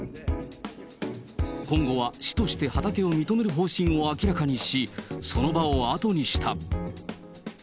今後は市として畑を認める方針を明らかにし、その場を後にした。